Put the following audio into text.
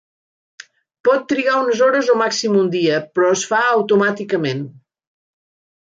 Pot trigar unes hores o màxim un dia, però es fa automàticament.